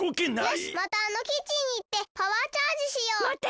よしまたあのキッチンにいってパワーチャージしよう！まって！